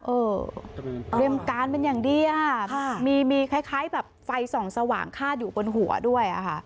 เออเตรียมการเป็นอย่างดีอ่ะมีคล้ายแบบไฟส่องสว่างคาดอยู่บนหัวด้วยอะค่ะ